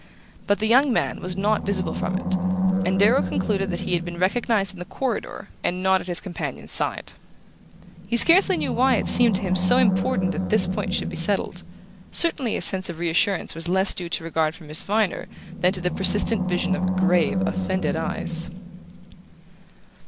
But the young man was not visible from it, and Darrow concluded that he had been recognized in the corridor and not at his companion's side. He scarcely knew why it seemed to him so important that this point should be settled; certainly his sense of reassurance was less due to regard for Miss Viner than to the persistent vision of grave offended eyes...